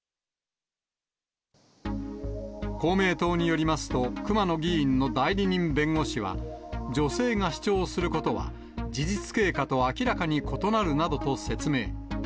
公明党によりますと、熊野議員の代理人弁護士は、女性が主張することは事実経過と明らかに異なるなどと説明。